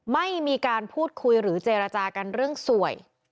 ไม่มีการพูดคุยหรือเจรจากันเรื่องสวย